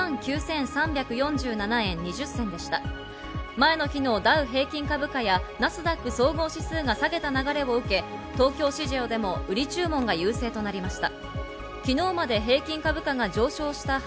前の日のダウ平均株価やナスダック総合指数が下げた流れを受け、東京市場でも売り注文が優勢となりました。